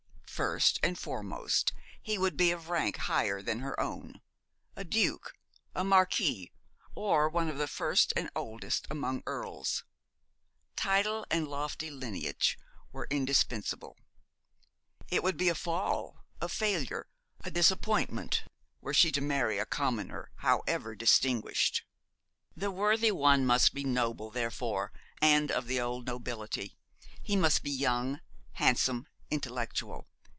First and foremost, he would be of rank higher than her own a duke, a marquis, or one of the first and oldest among earls. Title and lofty lineage were indispensable. It would be a fall, a failure, a disappointment, were she to marry a commoner, however distinguished. The worthy one must be noble, therefore, and of the old nobility. He must be young, handsome, intellectual.